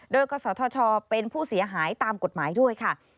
โดยกศธชเป็นผู้เสียหายตามกฎหมายด้วยค่ะ